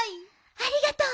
ありがとう！